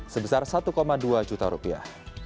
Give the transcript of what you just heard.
sebesar rp satu dua juta